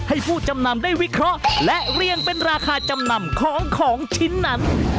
ผู้จำนำได้วิเคราะห์และเรียงเป็นราคาจำนำของของชิ้นนั้น